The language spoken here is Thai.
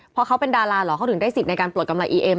เพราะเขาเป็นดาราเหรอเขาถึงได้สิทธิ์ในการปลดกำไรอีเอ็ม